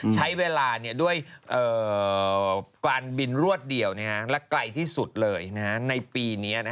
ใช้เวลาด้วยการบินรวดเดียวและไกลที่สุดเลยในปีนี้